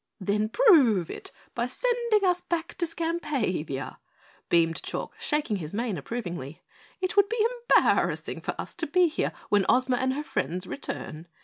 "Then prove it by sending us back to Skampavia," beamed Chalk, shaking his mane approvingly. "It would be embarrassing for us to be here when Ozma and her friends return.